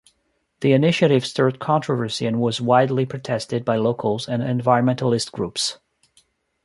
The initiative stirred controversy and was widely protested by locals and environmentalist groups.